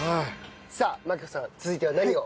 さあ万紀子さん続いては何を？